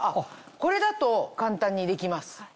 これだと簡単にできます。